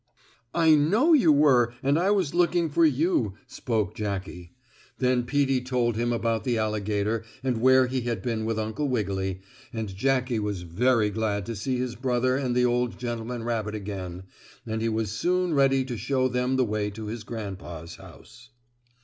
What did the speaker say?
"I know you were and I was looking for you," spoke Jackie. Then Peetie told him about the alligator and where he had been with Uncle Wiggily, and Jackie was very glad to see his brother and the old gentleman rabbit again, and he was soon ready to show them the way to his grandpa's house.